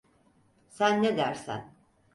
Sen ne dersen.